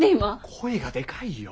声がでかいよ。